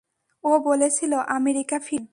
ও বলছিল আমেরিকা ফিরে যাবেন।